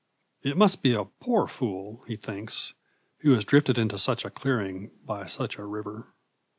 It must be a poor fool, he thinks, who has drifted into such a clearing by such a river!